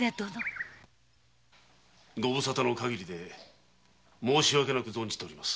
ごぶさたのかぎりで申し訳なく存じます。